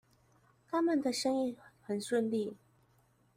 他們的生意很順利